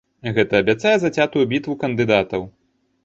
Гэта абяцае зацятую бітву кандыдатаў.